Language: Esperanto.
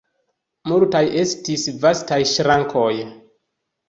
Multaj estis vastaj ŝrankoj.